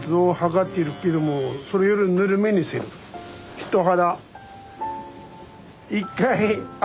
人肌。